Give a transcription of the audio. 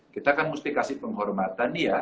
kita kan mesti kasih penghormatan ya